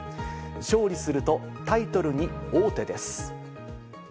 勝利するとタイトルに王手です。